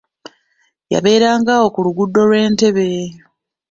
Yabeeranga awo ku luguudo lw'entebbe.